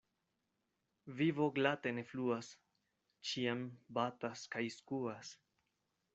Vivo glate ne fluas, ĉiam batas kaj skuas.